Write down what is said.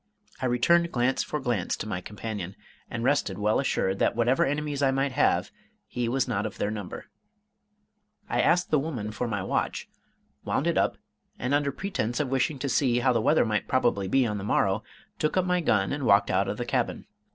I returned glance for glance to my companion, and rested well assured that whatever enemies I might have, he was not of their number. I asked the woman for my watch, wound it up, and under pretense of wishing to see how the weather might probably be on the morrow, took up my gun, and walked out of the cabin.